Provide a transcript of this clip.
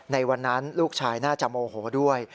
ในวันนั้นลูกชายน่าจะโมโหด้วย